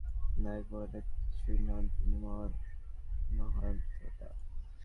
কিন্তু এমন একজন আছেন যিনি নায়ক-মহানায়ক কিছুই নন, তিনি মহান ত্রাতা।